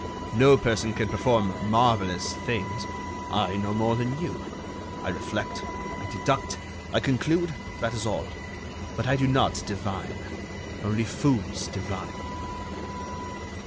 "No person can perform marvellous things. I no more than you. I reflect, I deduct, I conclude—that is all; but I do not divine. Only fools divine."